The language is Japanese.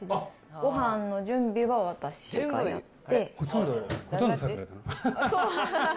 ごはんの準備は私がやって。